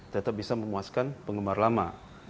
tetap bisa memuaskan penggemar lama